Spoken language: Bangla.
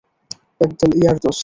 একদল ইয়ার দোস্ত।